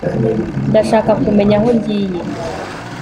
ndashaka kumenya aho ngiye